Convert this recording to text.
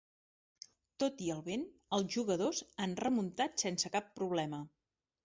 Tot i el vent, els jugadors han remuntat sense cap problema.